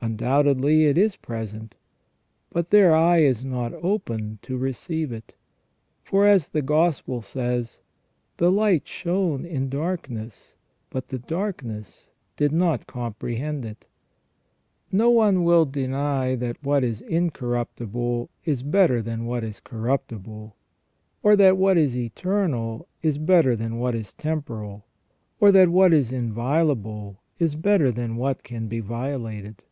Undoubtedly it is present, but their eye is not open to receive it. For, as the Gospel says :" The light shone in darkness, but the darkness did not comprehend it ".% No one will deny that what is incorruptible is better than what is corruptible ; or that what is eternal is better than what is tem poral ; or that what is inviolable is better than what can be violated.